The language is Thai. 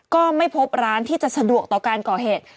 ก็ไม่พบร้านที่จะสะดวกต่อการก่อเหตุ